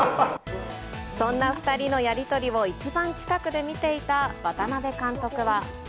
そんな２人のやり取りを一番近くで見ていた渡辺監督は。